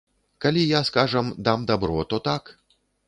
Калі я, скажам, дам дабро, то так.